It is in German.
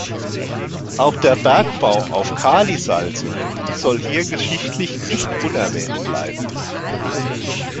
Auch der Bergbau auf Kalisalze soll hier geschichtlich nicht unerwähnt bleiben.